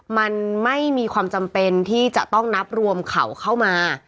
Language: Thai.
มันไม่มีความจำเป็นที่จะต้องนับรวมเขาเข้ามา